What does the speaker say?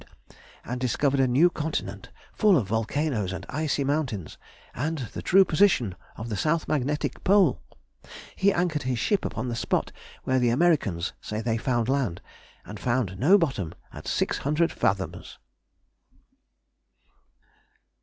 and discovered a new continent full of volcanoes and icy mountains, and the true position of the south magnetic pole. He anchored his ship upon the spot where the Americans say they found land, and found no bottom at six hundred fathoms!